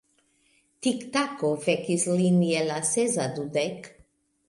Tiktako vekis lin je la sesa dudek.